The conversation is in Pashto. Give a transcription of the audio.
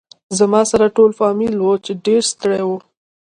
زما سره ټول فامیل و چې ډېر ستړي و.